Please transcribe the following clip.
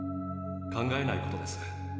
考えないことです。